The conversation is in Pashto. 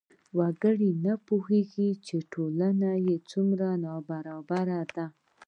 وګړي نه پوهېږي ټولنه یې څومره نابرابره ده.